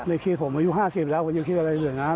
ไม่ได้คิดผมอายุ๕๐แล้วผมไม่ได้คิดอะไรเหมือนกัน